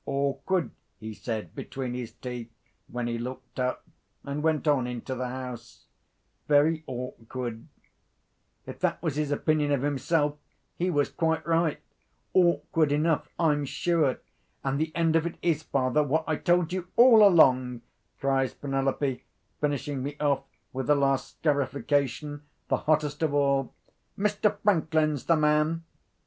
'Awkward!' he said between his teeth, when he looked up, and went on to the house—'very awkward!' If that was his opinion of himself, he was quite right. Awkward enough, I'm sure. And the end of it is, father, what I told you all along," cries Penelope, finishing me off with a last scarification, the hottest of all. "Mr. Franklin's the man!"